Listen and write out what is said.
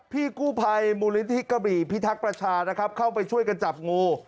พี่กู้ภัยมริฑินทภิกษ์กะบี่พี่ทักประชาเข้าไปช่วยกันจับงู